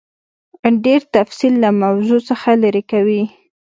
ډېر تفصیل له موضوع څخه لیرې کوي.